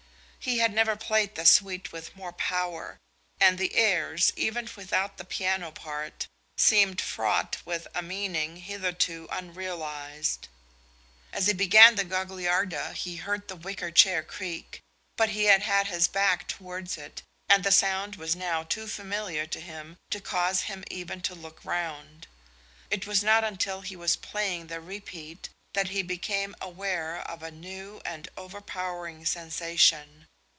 He had never played the suite with more power; and the airs, even without the piano part, seemed fraught with a meaning hitherto unrealised. As he began the Gagliarda he heard the wicker chair creak; but he had his back towards it, and the sound was now too familiar to him to cause him even to look round. It was not till he was playing the repeat that he became aware of a new and overpowering sensation.